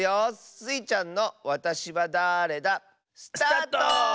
スイちゃんの「わたしはだれだ？」。スタート！